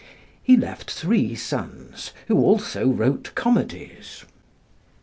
He left three sons who also wrote comedies.